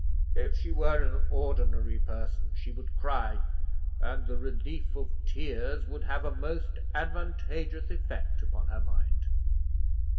If she were an ordinary person, she would cry, and the relief of tears would have a most advantageous effect upon her mind.